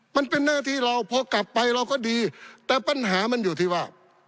มันเป็นหน้าที่เราพอกลับไปเราก็ดีแต่ปัญหามันอยู่ที่ว่า